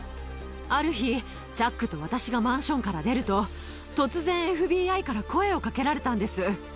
ある日、チャックと私がマンションから出ると、突然、ＦＢＩから声をかけられたんです。